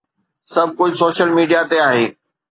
سڀ ڪجهه social media تي آهي